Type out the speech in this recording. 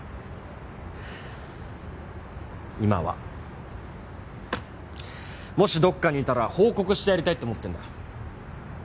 今はもしどっかにいたら報告してやりたいって思ってんだよ